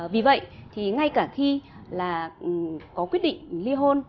vì vậy thì ngay cả khi là có quyết định